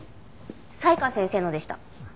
才川先生のでした。